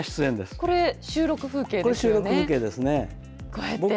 これ、収録風景ですね。